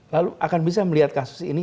lalu akan bisa melihat kasus ini